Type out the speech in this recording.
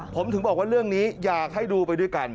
ผมถึงบอกว่าเรื่องนี้อยากให้ดูไปด้วยกัน